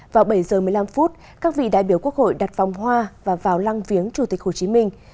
vào bảy giờ một mươi năm phút các vị đại biểu quốc hội đặt vòng hoa và vào lăng viếng chủ tịch hồ chí minh